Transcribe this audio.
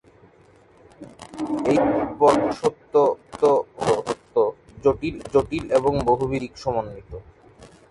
এই মতে, পরম সত্য ও তত্ত্ব জটিল এবং বহুবিধ দিক-সমন্বিত।